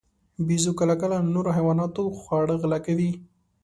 بیزو کله کله له نورو حیواناتو خواړه غلا کوي.